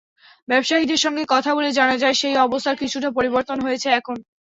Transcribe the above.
ব্যবসায়ীদের সঙ্গে কথা বলে জানা যায়, সেই অবস্থার কিছুটা পরিবর্তন হয়েছে এখন।